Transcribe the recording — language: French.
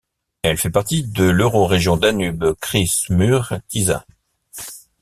Elle fait partie de l'Eurorégion Danube-Criș-Mureș-Tisa.